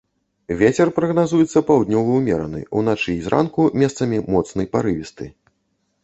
Вецер прагназуецца паўднёвы ўмераны, уначы і зранку месцамі моцны парывісты.